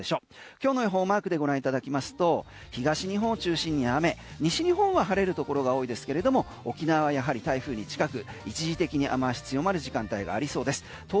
今日の予報マークでご覧いただきますと東日本を中心に雨西日本は晴れるところが多いですけれども沖縄はやはり台風に近く一時的にそのような時間帯がありそうです。